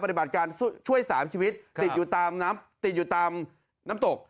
ปฏิบัติการช่วยสามชีวิตติดอยู่ตามน้ำตก